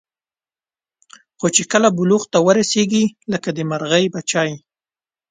خو چې کله بلوغ ته ورسېږي لکه د مرغۍ بچي.